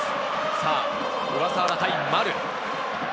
さぁ、小笠原対丸。